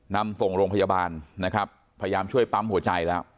นำส่งโรงพยาบาลนะครับพยายามช่วยปั๊มหัวใจแล้ว